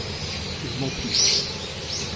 Je m’en fous.